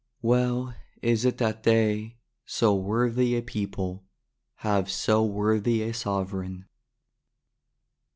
Well is it that they, so worthy a people, have so worthy a Sovereign.